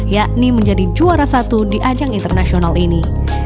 yakni menjadi juara satu di ajang internasional ini